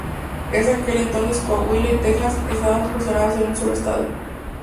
En aquel entonces Coahuila y Texas estaban fusionadas en un solo estado.